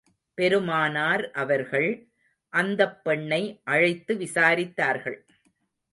பெருமானார் அவர்கள், அந்தப் பெண்ணை அழைத்து விசாரித்தார்கள்.